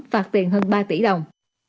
phạt tiền hơn ba tỷ đồng